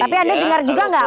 tapi anda dengar juga nggak